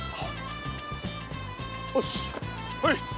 よしほい。